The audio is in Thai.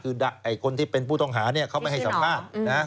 คือคนที่เป็นผู้ต้องหาเขาไม่ให้สัมภาษณ์